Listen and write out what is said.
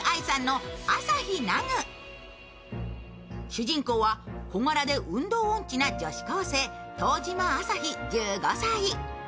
主人公は小柄で運動音痴な女子高生東島旭１５歳。